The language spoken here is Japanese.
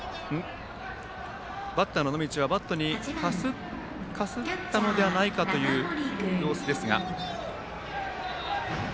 バッターの野道はバットにかすったのではないかという様子。